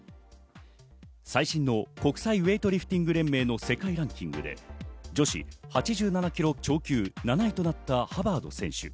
最新の国際ウエイトリフティング連盟の世界ランキングで女子８７ｋｇ超級７位となったハバード選手。